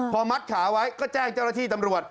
พอมัดขาไว้ก็แจ้งเจ้าหน้าที่ตำรวจ